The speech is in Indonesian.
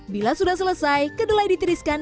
bila sudah selesai kedelai ditiriskan